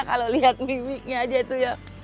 kalau lihat mimpinya aja itu ya